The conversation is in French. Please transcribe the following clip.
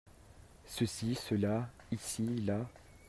Ceci/Cela. Ici/Là.